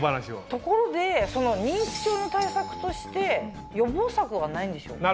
ところで認知症の対策として予防策はないんでしょうか？